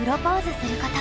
すること。